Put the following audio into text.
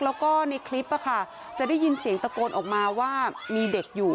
แล้วก็ในคลิปจะได้ยินเสียงตะโกนออกมาว่ามีเด็กอยู่